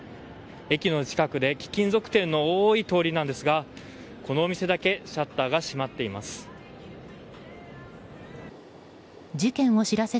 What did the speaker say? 駅の近くで貴金属店の多い通りなんですがこのお店だけシャッターが閉まっています。